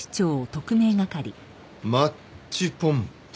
マッチポンプ？